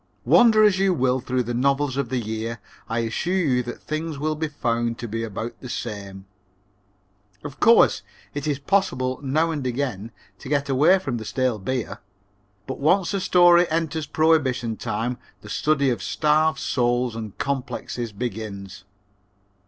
Wander as you will through the novels of the year, I assure you that things will be found to be about the same. Of course, it is possible now and again to get away from the stale beer, but once a story enters prohibition time the study of starved souls and complexes begins.